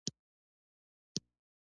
د تخار په دشت قلعه کې د سرو زرو نښې شته.